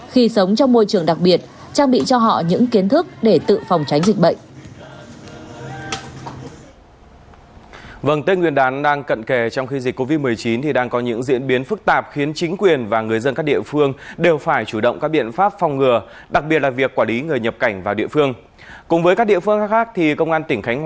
khi sống trong môi trường đặc biệt trang bị cho họ những kiến thức để tự phòng tránh dịch bệnh